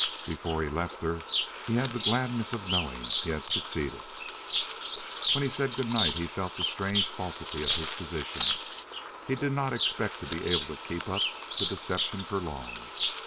Before he left her he had the gladness of knowing he had succeeded. When he said good night he felt the strange falsity of his position. He did not expect to be able to keep up the deception for long.